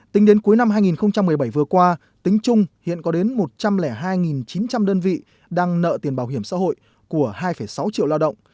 tính đến cuối năm hai nghìn một mươi bảy vừa qua tính chung hiện có đến một trăm linh hai chín trăm linh đơn vị đang nợ tiền bảo hiểm xã hội của hai sáu triệu lao động